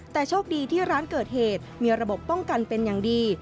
แต่โชคดีที่ร้านเกิดเหตุมีระบบป้องกันเป็นอย่างดี